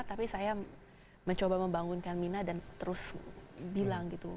tapi saya mencoba membangunkan mina dan terus bilang gitu